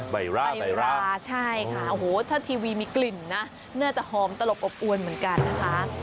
ใบราใช่ค่ะโอ้โหถ้าทีวีมีกลิ่นนะน่าจะหอมตลบอบอวนเหมือนกันนะคะ